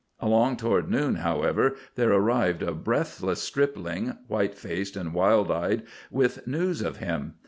Along toward noon, however, there arrived a breathless stripling, white faced and wild eyed, with news of him.